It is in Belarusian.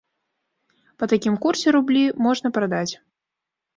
Па такім курсе рублі можна прадаць.